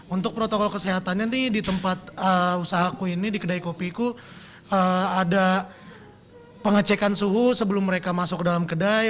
untuk protokol kesehatannya di tempat usahaku ini di kedai kopiku ada pengecekan suhu sebelum mereka masuk ke dalam kedai